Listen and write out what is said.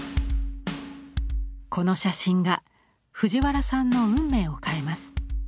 この写真が藤原さんの運命を変えます。